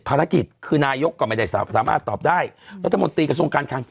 ภารกิจคือนายกก็ไม่ได้สามารถตอบได้รัฐมนตรีกระทรวงการคัง